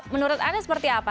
menurut anda seperti apa